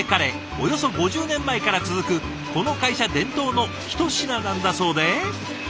およそ５０年前から続くこの会社伝統の一品なんだそうで。